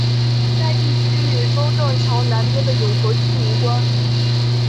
该地区与中正桥南边的永和区无关。